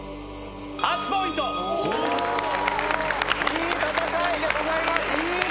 ・いい戦いでございます。